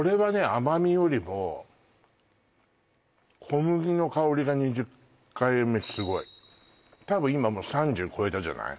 甘みよりも小麦の香りが２０回目すごい多分今もう３０超えたじゃない？